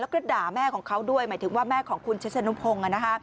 แล้วก็ด่าแม่ของเขาด้วยหมายถึงว่าแม่ของคุณชิสนุพงศ์